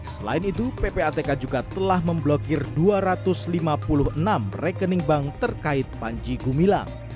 selain itu ppatk juga telah memblokir dua ratus lima puluh enam rekening bank terkait panji gumilang